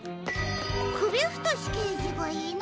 くびふとしけいじがいない？